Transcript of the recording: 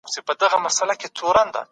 کینه او دښمني ټولنه کمزورې کوي.